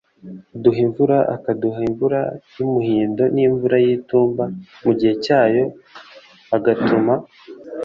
uduha imvura akaduha imvura y umuhindo n imvura y itumba mu gihe cyayo m agatuma